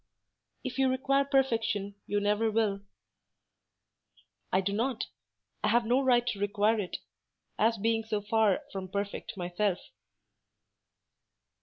"If you require perfection, you never will." "I do not—I have no right to require it, as being so far from perfect myself."